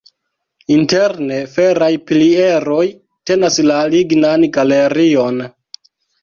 Interne feraj pilieroj tenas la lignan galerion.